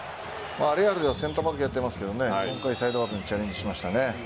レアルでセンターバックやってますけど今回、サイドバックにチャレンジしましたね。